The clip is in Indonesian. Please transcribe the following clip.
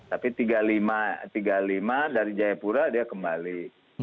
tapi tiga puluh lima dari jayapura dia kembali